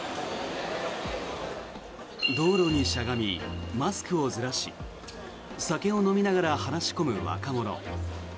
道路にしゃがみマスクをずらし酒を飲みながら話し込む若者。